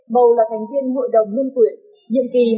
bầu là thành viên hội đồng nhân quyền